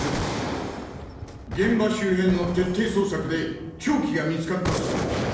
現場周辺の徹底捜索で凶器が見つかったそうだ。